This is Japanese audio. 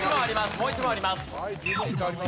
もう一問あります。